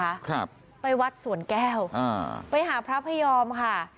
ครับไปวัดสวนแก้วอ่าไปหาพระพยอมค่ะ